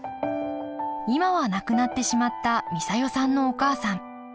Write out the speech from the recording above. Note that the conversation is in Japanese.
今は亡くなってしまった美佐代さんのお母さん。